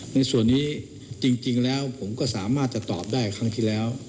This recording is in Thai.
ในส่วนนี้จริงแล้วผมก็สามารถจะตอบได้ครั้งที่แล้ว